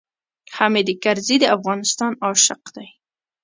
حامد کرزی د افغانستان عاشق دی.